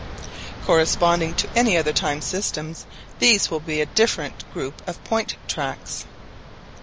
Corresponding to any other time system these will be a different group of point tracks.